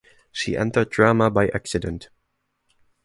She entered drama by accident.